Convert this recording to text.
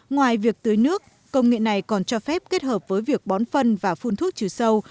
ngoài việc tưới nước công nghệ này còn cho phép kết hợp với việc bón phân và phun thuốc trừ sâu